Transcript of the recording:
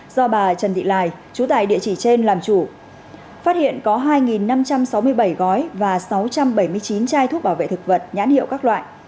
do bà trần thị lài chú tại địa chỉ trên làm chủ phát hiện có hai năm trăm sáu mươi bảy gói và sáu trăm bảy mươi chín chai thuốc bảo vệ thực vật nhãn hiệu các loại